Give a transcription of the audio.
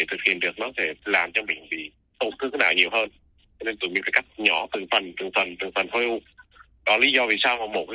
tuy nhiên vấn đề của suy dãn tĩnh mạch